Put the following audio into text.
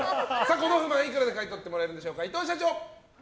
この不満、いくらで買い取ってもらえるんでしょうか。